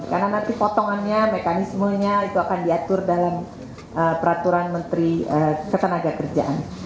karena nanti potongannya mekanismenya itu akan diatur dalam peraturan menteri ketenaga kerjaan